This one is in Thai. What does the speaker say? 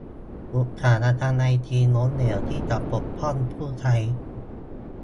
อุตสาหกรรมไอทีล้มเหลวที่จะปกป้องผู้ใช้